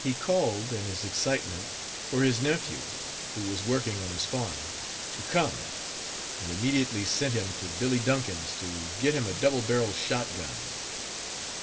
He called, in his excitement, for his nephew, who was working on his farm, to come, and Page 57 immediately sent him to Billy Duncan's to get him a double barreled shot gun.